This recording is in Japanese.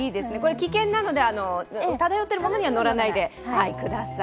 危険なので漂っているものには乗らないでください。